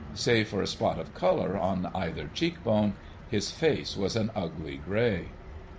Save for a spot of colour on either cheek bone, his face was an ugly grey.